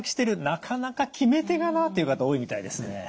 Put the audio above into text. なかなか決め手がなという方多いみたいですね。